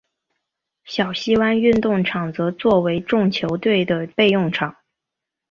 小西湾运动场则作为众球队的备用场。